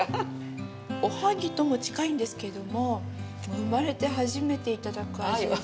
おはぎとも近いんですけども、生まれて初めていただく味。